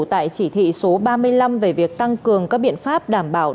tại chỉ thị số ba mươi năm về việc tăng cường các biện pháp đảm bảo